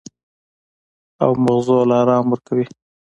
او مزغو له ارام ورکوي -